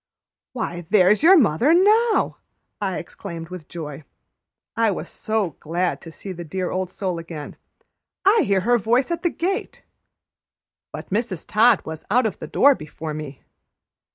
"Why, there's your mother now!" I exclaimed with joy, I was so glad to see the dear old soul again. "I hear her voice at the gate." But Mrs. Todd was out of the door before me.